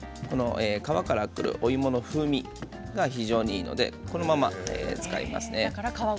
皮からくるお芋の風味が非常にいいのでこのまま使いますね。